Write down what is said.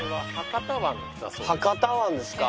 博多湾ですか。